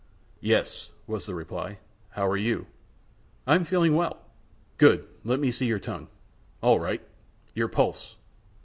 "Yes," was the reply. "How are you?" "I am feeling well." "Good! Let me see your tongue. All right! Your pulse.